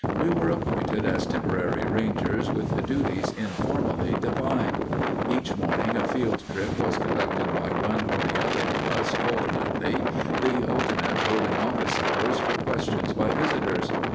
We were appointed as temporary rangers with duties informally defined. Each morning a field trip was conducted by one or the other of us alternately, the alternate holding office hours for questions by visitors.